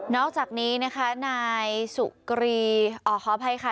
อกจากนี้นะคะนายสุกรีขออภัยค่ะ